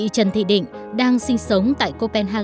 chị trần thị định đang sinh sống tại công tác nghiên cứu